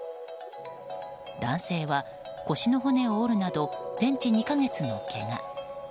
男性は腰の骨を折るなど全治２か月のけが。